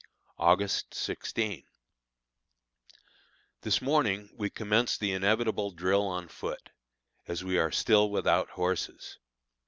August 16. This morning we commenced the inevitable drill on foot, as we are still without horses.